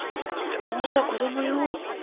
でもまだ子供よ？